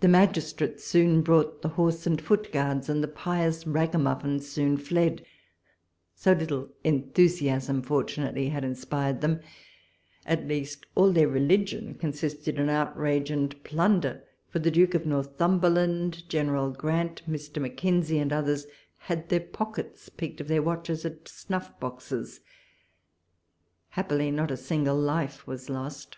The magistrates soon brought the Horse and Foot Guards, and the pious ragamuffins soon fled; so little enthusiasm fortunately had in spired them ; at least all their religion consisted in outrage and plunder ; for the Duke of Nor thumberland, General Grant, Mr. Mackinsy, and others, had tlieir pockets picked of their watches and snuff boxes. Happily, not a single life was lost.